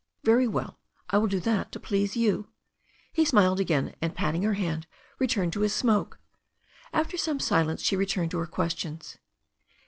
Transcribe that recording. "Very well. I will do that to please you." He smiled again, and patting her hand, returned to his smoke. After some silence she returned to her questions.